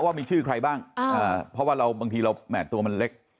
ว่ามีชื่อใครบ้างเพราะว่าเราบางทีเราแห่ตัวมันเล็ก